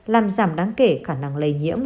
làm giảm đáng kể khả năng lây nhiễm